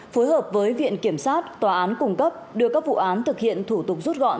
phối hợp với viện kiểm sát tòa án cung cấp đưa các vụ án thực hiện thủ tục rút gọn